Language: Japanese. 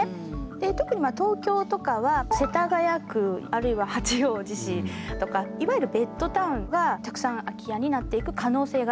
で特に東京とかは世田谷区あるいは八王子市とかいわゆるベッドタウンはたくさん空き家になっていく可能性があると。